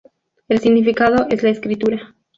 El significado es la escritura.